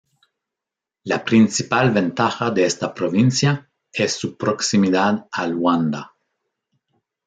La principal ventaja de esta provincia es su proximidad a Luanda.